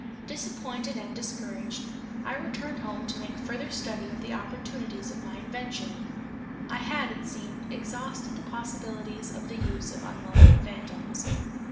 Disappointed and discouraged, I returned home to make a further study of the opportunities of my invention. I had, it seemed, exhausted the possibilities of the use of unwelcome phantoms.